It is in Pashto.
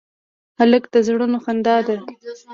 هلک د زړونو خندا ده.